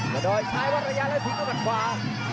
หยอดดอยช้ายว่าระยะแล้วทิ้งเขามาขวา